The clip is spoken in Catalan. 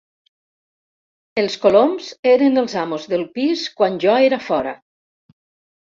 Els coloms eren els amos del pis quan jo era fora.